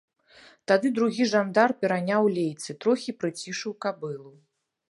Тады другі жандар пераняў лейцы, трохі прыцішыў кабылу.